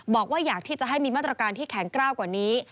บอกว่าอยากที่จะให้มีมาตรการที่แข็งกล้าวกว่านี้